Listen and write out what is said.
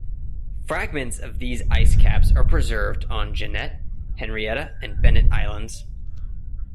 Fragments of these ice caps are preserved on Jeannette, Henrietta, and Bennett Islands.